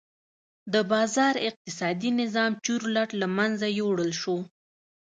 د بازار اقتصادي نظام چورلټ له منځه یووړل شو.